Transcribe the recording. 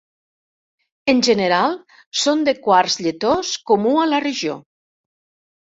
En general són de quars lletós comú a la regió.